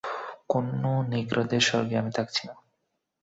কোন নিগ্রোদের স্বর্গে আমি থাকছি না।